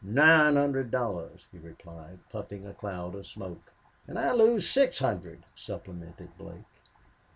nine hundred dollars," he replied, puffing a cloud of smoke. "And I lose six hundred," supplemented Blake.